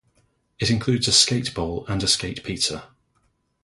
It includes a skate bowl and a skate plaza.